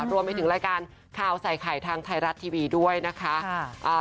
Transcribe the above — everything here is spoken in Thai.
รวมไปถึงรายการข่าวใส่ไข่ทางไทยรัฐทีวีด้วยนะคะ